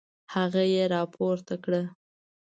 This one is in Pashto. هغه يې راپورته کړه.